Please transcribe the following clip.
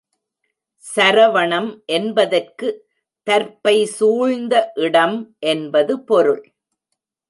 சரவணம் என்பதற்கு தர்ப்பை சூழ்ந்த இடம் என்பது பொருள்.